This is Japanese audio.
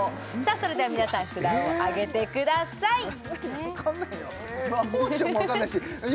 それでは皆さん札を上げてください分かんないな